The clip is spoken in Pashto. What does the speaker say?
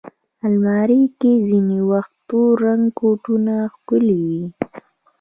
الماري کې ځینې وخت تور رنګه کوټونه ښکلي وي